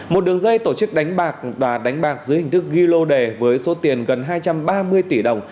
một đường dây tổ chức đánh bạc và đánh bạc dưới hình thức ghi lô đề với số tiền gần hai trăm ba mươi tỷ đồng